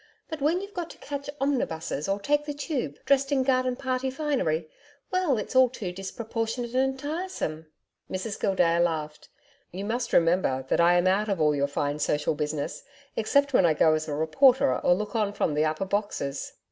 But when you've got to catch omnibuses or take the Tube, dressed in garden party finery well it's all too disproportionate and tiresome.' Mrs Gildea laughed. 'You must remember that I am out of all your fine social business except when I go as a reporter or look on from the upper boxes.'